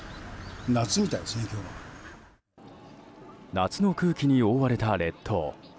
夏の空気に覆われた列島。